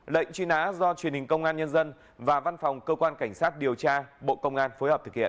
lệnh truy nã do truyền hình công an nhân dân và văn phòng cơ quan cảnh sát điều tra bộ công an phối hợp thực hiện